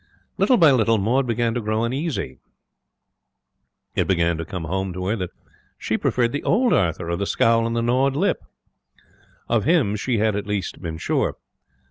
Little by little Maud began to grow uneasy. It began to come home to her that she preferred the old Arthur, of the scowl and the gnawed lip. Of him she had at least been sure.